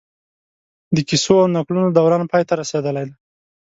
د کيسو او نکلونو دوران پای ته رسېدلی دی